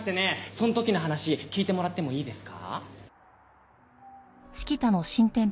そん時の話聞いてもらってもいいですか？